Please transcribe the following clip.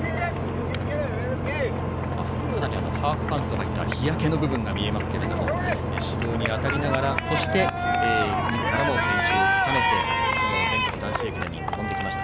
ハーフパンツをはいた日焼けの部分が見えますが指導に当たりながらみずからも練習を重ねて全国男子駅伝に臨んできました。